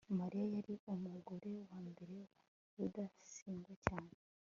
mariya yari umugore wa mbere wa rudasingwa cyane